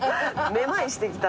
めまいしてきた。